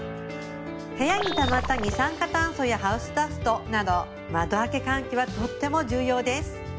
部屋にたまった二酸化炭素やハウスダストなど窓開け換気はとっても重要です